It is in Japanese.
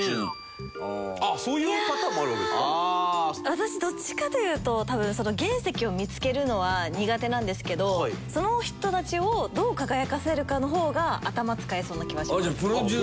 私どっちかというと多分その原石を見つけるのは苦手なんですけどその人たちをどう輝かせるかの方が頭使えそうな気はします。